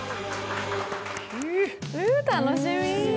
楽しみ。